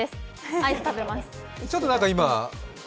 アイス食べます。